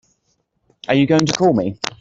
Are you going to call me?